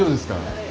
はい。